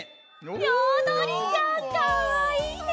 よどりちゃんかわいいね。